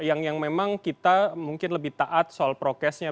yang memang kita mungkin lebih taat soal prokesnya